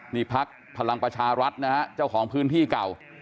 นี่พักพลังประชารัฐนะฮะเจ้าของพื้นที่เก่า